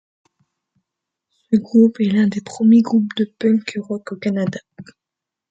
Ce groupe est l'un des premiers groupes de punk rock au Canada.